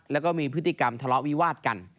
แล้วก็มีพฤติกรรมทะเลาะวิวาดกัน